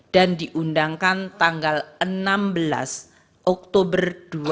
dan diundangkan tanggal enam belas oktober dua ribu dua puluh tiga